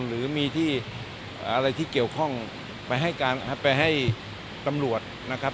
หรือมีที่อะไรที่เกี่ยวข้องไปให้การไปให้ตำรวจนะครับ